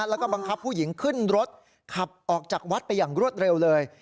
แล้วก็บังคับผู้หญิงขึ้นรถขับออกจากวัดไปอย่างรวดเร็วเลย